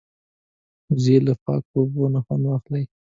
وزې له پاکو اوبو نه خوند اخلي